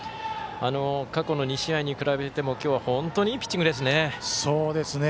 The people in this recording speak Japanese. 過去の２試合に比べても今日本当にいいピッチングですね。